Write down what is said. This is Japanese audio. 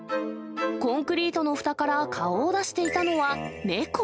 コンクリートのふたから顔を出していたのは、猫。